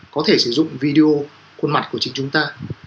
có thể sử dụng video khuôn mặt của chính chúng ta